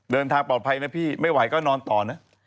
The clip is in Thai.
เดินทางปลอดภัยนะพี่ไม่ไหวก็นอนต่อนะ